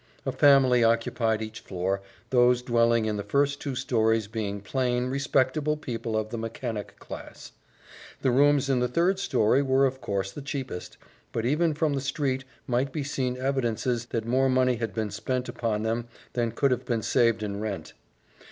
A family occupied each floor, those dwelling in the first two stories being plain, respectable people of the mechanic class. The rooms in the third story were, of course, the cheapest, but even from the street might be seen evidences that more money had been spent upon them than could have been saved in rent.